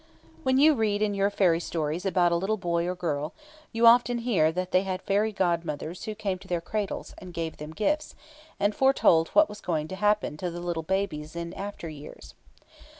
When you read in your fairy stories about a little boy or girl, you often hear that they had fairy godmothers who came to their cradles, and gave them gifts, and foretold what was going to happen to the little babies in after years.